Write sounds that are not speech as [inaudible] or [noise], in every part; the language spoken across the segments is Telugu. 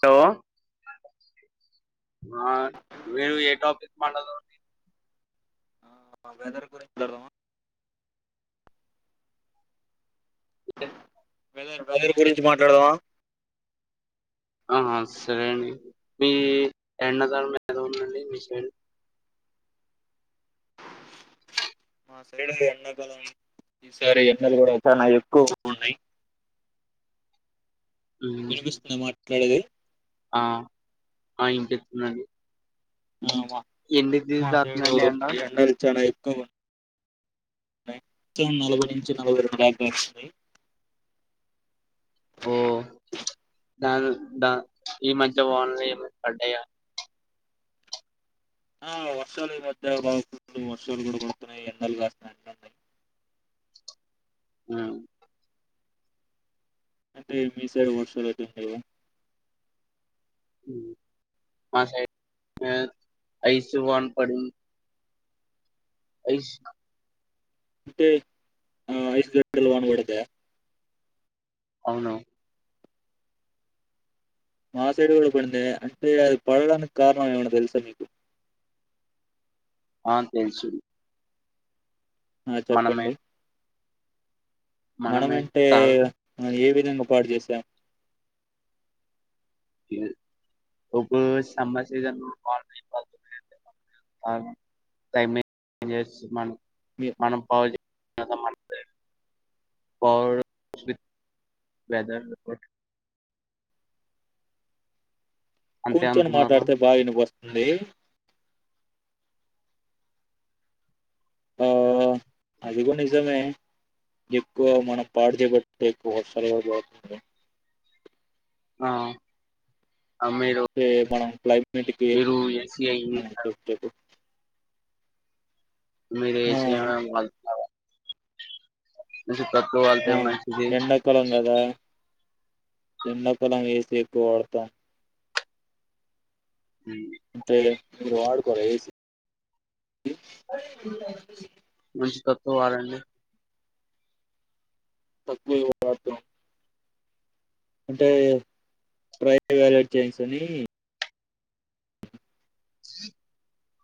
సో ఆ మీరు ఎ టాపిక్ మాట్లాడాలి అని ఉంది. ఆ వెదర్ గురిన్ మాట్లాడుదమా ఓకే వెదర్ వెదర్ గురించి మాట్లాడదమా? ఆహ సరే అండి మీ ఎండ ధనం ఎలా ఉందండి మీ సైడు? మా సైడ్ అండి ఎండాకాలం ఈసారి ఎండలు గూడా చానా ఎక్కువగా ఉన్నాయి. ఉమ్ వినిపిస్తుందా మాట్లాడేది? ఆ ఆ వినిపిస్తుంది అండి. ఆ మ మా సైడు ఎండ ఎండలు చానా ఎక్కువగా నాయ్ మొత్తం నలభై నుంచి నలభై రెండు ర్యాంక్స్ ఉన్నాయి. ఓ ప్చ్ ద ద ఈ మధ్య వానలె పడ్డాయా? ఆ వర్షాలు ఈ మధ్య బాగుడు వర్షాలు కూడా కొడుతున్నాయి. ఎండలు కాస్తున్నాయి అన్నియి ఆహ్ అంటే మీసైడు వర్షాలు ఎట్ల ఉంటాయివ మాసై ఐస్ వన్ పడిన్ ఐస అంటే ఆ ఐస్ గడ్ల్ వన్ పడిద్ద? అవును మా సైడ్ గూడా పడిందే అంటే అది పడడానికి కారణం ఏమైనా తెలుస మీకు? అ తెలుసు ఆ మనమే చెప్పండి మనమే మనమంటే కాదు ఏ విడ్ నిజంగా పాడుజెసం లే ఒహో సమ్మర్ సీజన్ వా అవును టైమింగ్ ఎస్ మన మి మనం పా కసమర్చిపోయిర్రు పాడు స్వి వెదర్ రిపోట్ అంతే కూర్చొని అనుకున్నారా మాట్లాడ్తె బాగా వినబడ్తుంది ఆ అదిగూడ నిజమే ఎక్కువ మనం పాడు చేబట్టే ఎక్కువ వర్షాలు కూడ [unintelligible] ఆ ఆ, మీరు చే మనం క్లైమేట్‌కి మీరు ఎసీఐ ఆ! యిట చెప్పు చెప్పు. మీర్ ఆ! ఏసీ లోనే బతుకలే ఏసీ తక్కువాళ్తే ఆ! మంచిది ఎండకాలం ఏ సి ఎక్కువాడ్తాం హ్మ్ అంతేలే మీరు వాడ్కోలే ఏ సి క్కోవాలండి తక్కువే వాడ్తాం అంటే ట్రై వ్యాలేట్ జెంస్సనీ ఉజ్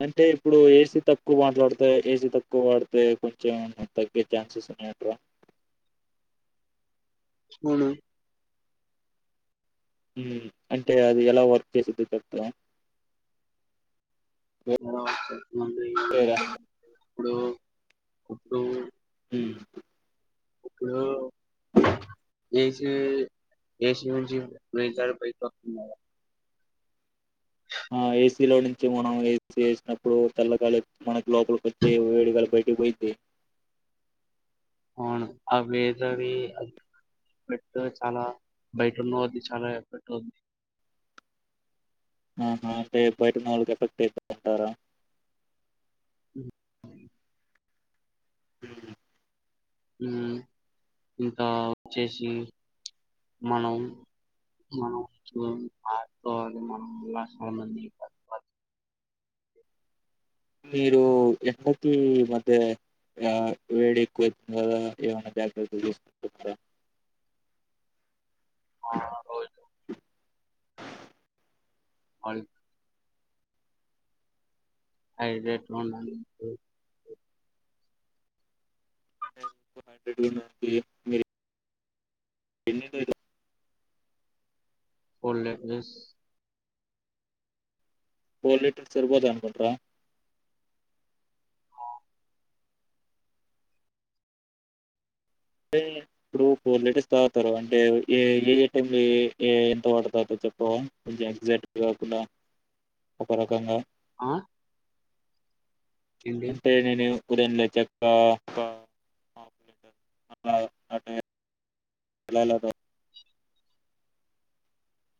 అంటే ఇప్పుడు ఏసీ తక్కువాట్లాడ్తే ఏసీ తక్కువాడ్తే కొంచెం ఏమన్న తగ్గే చాన్సెస్ ఉన్నాయంట్ర అవునా హు మ్ అంటే అది ఎలా వర్క్ చేసిద్దో చెప్తార ఆ మరి వేరేరా ఇప్పుడు ఇప్పుడు హుమ్ ఇప్పుడు ఏసీ ఏసీ నుంచి మీటరూ పైకొస్సుంది ఆ ఏసీలో నుంచి మనం ఏసీ ఏస్నప్పుడు చల్లగా లి మనకి లోపల్కొచ్చి వేడిగాలి బై టికీ పోయిద్ది అవును అ వేసవి పెట్రో చాలా బయటున్నోల్దీ చాలా ఎఫెక్ట్అవుద్ది ఆహ అంటే బయటున్న వాళ్ళకి న ఎఫెక్టైతది అంటారా హ్మ్ హ్మ్ఇంకా వచ్చేసి మనం మనం [unintelligible] మనం లక్షమంది [unintelligible] మీరు ఎందుకీమద్యే ఇలా వేడెక్వైతుంది కదా ఏమన్న జాగ్రత్తలు తిస్కుంటున్నారా ఆ రోజు ఆడ్ ఐదెట్లుంన్నాయంటూ అంటే ఒక హండ్రెడ్ నుండి మీర్ ఎన్నిట్లో ఇట్ల ఫోర్ లీటర్స్ ఫోర్ లీటర్స్ సర్పోతాయ్ అన్కుంట్రా టే ఇప్పుడు ఫోర్ లీటర్స్ తాగుతారు అంటే ఏ ఏ యే టైం లో ఎ ఎ ఎంత వాటర్ తాగుతర్ చే చెప్పవా కొంచం ఎగ్జైట్ కాకుండా ఒక రకంగా ఆ ఏంటి అంటే నేను ఉదయం లేచాక ఒక ఆఫ్ లీటర్ ఆ అట్నే అల ఎలతా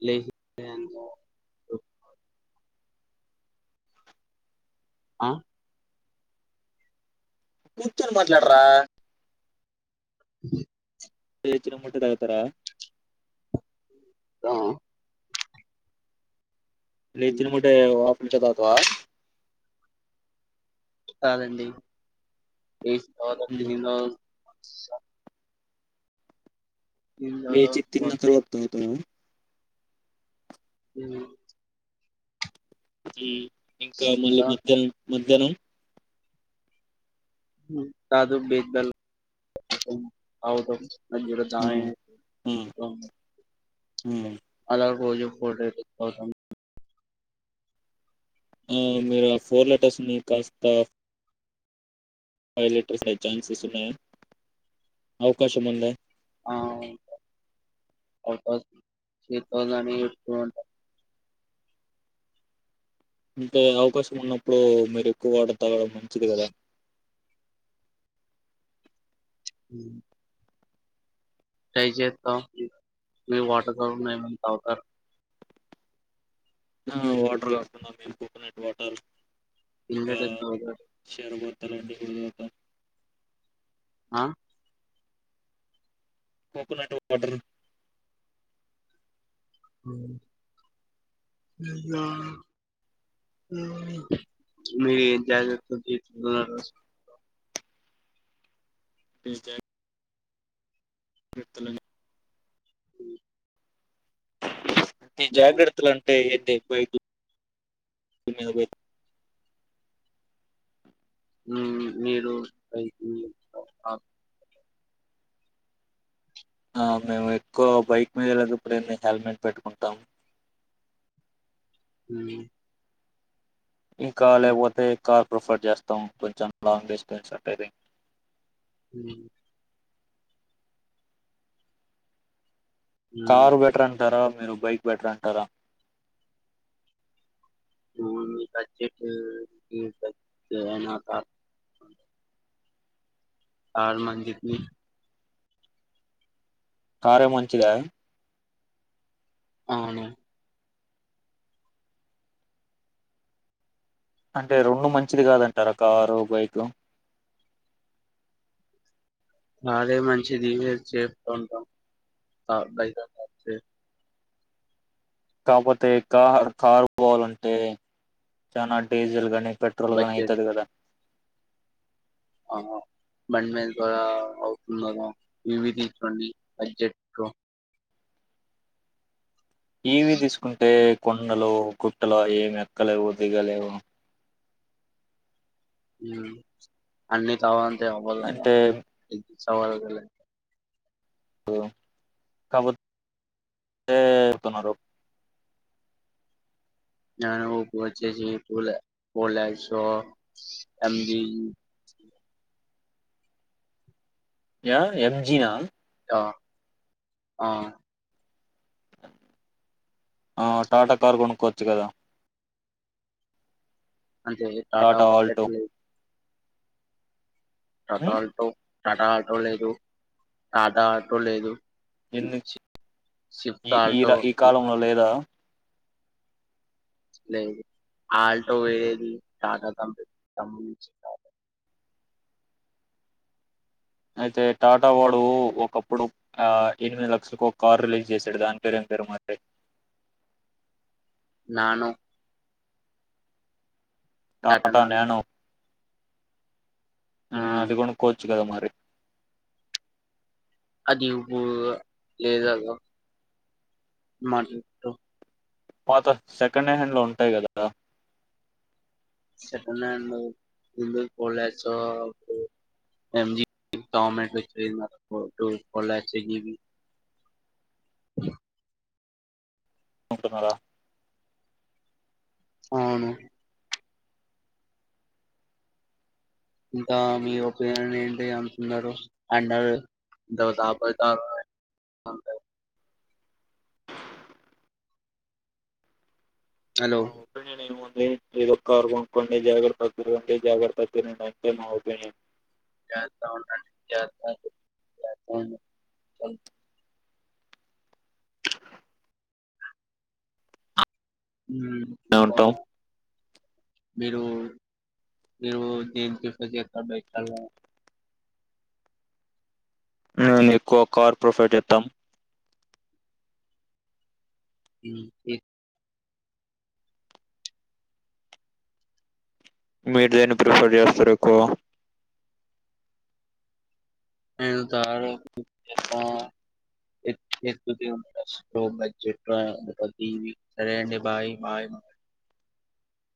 లేచి [unintelligible] ఆ కూర్చొని మాట్లాడరా లేచిన ఏమ్మటే తాగుతారా ఆ లేచిన ఏమ్మటే ఒ ఆఫ్ లీటర్ తాగుతవా కాదు అండి లేచిన తరువాత ఉమ్. తిన్న లేచి తర్వాత తిన్న వర్క్ తరువాత తగుతావా హుమ్ మ్ ఇంకా మళ్ళీ మధ్యాహ్నం మధ్యాహ్నం మ్ కాదు బిద్ బెల్లం [inaudible] తాగుతం మధ్యలో ఉమ్, ఉమ్, [unintelligible] ఉమ్. రోజొ [unintelligible] తాగుతాం మ్ మీరు ఆ ఫోర్ లెటర్స్ ని కాస్త ఫైవ్ లేటర్స్ అయ్యే ఛాన్సస్ ఉన్నాయ అవకాశం ఉందా ఆ ఉం అవకాశం చేతం కానీ [unintelligible] ఇంకా అవకాశం ఉన్నప్పుడు మీరు ఎక్కువ వాటర్ తాగడం మంచిది గదా ఉ టై చెత్త మీరు వాటర్ కాకుండా ఏమన్న తాగుతారు ఆ వాటర్ కాకున్నా మేము కోకోనట్ వాటర్ [unintelligible] తలంటే [unintelligible] ఆ కోకోనట్ వాటర్ మ్ ఆ మ్ మీర ఎ జాగ్రత్తలు తీసుకుంటున్నారు ఎ జగ్ గ్రత్తలన్ ఉ టే జాగ్రత్తలంటే ఏంటి వైబ్ మీద పోయ్ మ్ మీరు బైక్ మీద అప్ ఆ మేము ఎక్కువ బైక్ మీద వెళ్ళేటప్పుడు ఎన్ని హెల్మెట్ పెట్టుకుంటం హుమ్ ఇంకా లేకపోతే కార్ ప్రిఫర్ చేస్తాం కొంచెం లాంగ్ డిస్టెన్స్ అంటేనే మ్ కారు బెటర్ అంట్నరా మీరు బైక్ బెటర్ అంటారా మ్ మీకు [unintelligible] కార్ కార్ మంచిది కారే మంచిదా అవును అంటే రొండు మంచిది కాదంటారా కారు బైక్ అదే మంచిది వే సేఫ్గ ఉంటాం కార్ [unintelligible] కాకపోతే కార్ కార్ పోవల్ అంటే చనా డీజిల్ గాని బడ్జెట్ పెట్రోల్గానైతది కదా అహా బండి మీద ఆ అవుతుంది కదా ఇవి తీసుకోండి బడ్జెట్ లో టి వీ తీసుకుంటే కొండలు గుట్టలు అవి ఎవి ఎక్కలేవు దిగలేవు మ్ అన్ని కావాలంటే అవ్వదు అంటే సవాల్ మ్ కాపోతే [inaudible] ననోకు వచ్చేసి టు ల్ ఫోర్ లక్స్ అండ్ య ఎం నినా ఆ ఆ ఆ టాటా కార్ కొనుక్కోవచ్చు కదా అంటే టాటా క్ బడ్జెట్ లేదు ఉమ్ టాటాటో టాటా ఆటో లేదు ఆ టాటా ఆటో లేదు మ్ ఎందు షిఫ్ట్ ఈ ఈ ఆటో ర- ఈ కాలంలో లేదా లేదు ఆల్టో ఎది టటా కంపినీ [unintelligible] అయితే టాటా వాడు ఒకప్పుడు ఆ ఎనిమిది లక్షలకు ఒక కార్ రిలీజ్ చేశాడు దాని పేరేం పెరు మరే నానో టటా నానో ఆ ఉమ్ అది కోనుకోచ్చు కద మారి ఆ ఇప్ లేదు కదా మంచిది బ్రో పాత సెకండ్ హ్యాండ్ లో ఉంటాయి కదా సెకండ్ హ్యాండ్ [inaudible] ఎది [inaudible] కొంటున్నారా ఆవును ఇంకా మీ ఒపీనియన్ ఏంటి అనుకున్నారు అండర్ [inaudible] హలో మా ఒపినియన్ ఏం మున్ ఎదొక్కర్ కొనుకోండి జాగ్రత్త తిరుగండి జాగ్రత్త తినండి అంతే మా ఒపినియన్ జాగ్రత్తగ ఉండండి జాగ్రత్తగ [inaudible] మ్ ఇంకా ఉంటాం మీరు మీరు దేని [unintelligible] నేను ఎక్కువ కార్ ప్రోఫట్ చేద్ధం మ్ ఏ మీరు దేన్ని ప్రిఫర్ చేస్తారు ఎక్కువ నిను కారే ప్రిఫర్ చెత్త ఏద్ ఏకుతే [inaudible] బడ్జెట్లో సరె అండి బాయ్ బాయ్